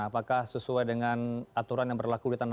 apakah sesuai dengan aturan yang berlaku di tanah